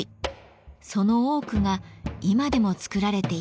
その多くが今でも作られています。